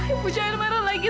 ibu jangan marah lagi